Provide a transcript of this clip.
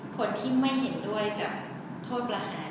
คนที่ไม่เห็นด้วยกับโทษประหาร